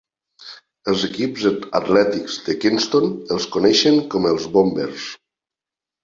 Els equips atlètics de Kenston els coneixen com els Bombers.